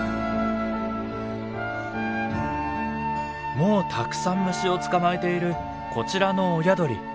もうたくさん虫を捕まえているこちらの親鳥。